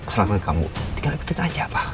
selama kamu tinggal ikutin aja pak